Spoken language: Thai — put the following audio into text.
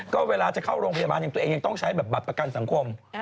ก็เวลาจะเข้าโรงพยาบาลตัวเองยังต้องใช้แบบบัตรประกันสังคม